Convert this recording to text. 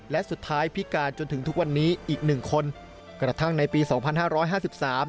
และสุดท้ายพิการจนถึงทุกวันนี้อีกหนึ่งคนกระทั่งในปีสองพันห้าร้อยห้าสิบสาม